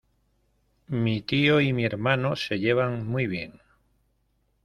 Mi tío y mi hermano se llevan muy bien.